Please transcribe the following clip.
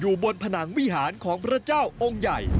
บนผนังวิหารของพระเจ้าองค์ใหญ่